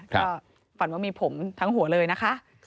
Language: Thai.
ก็ฝันว่ามีผมทั้งหัวเลยนะคะ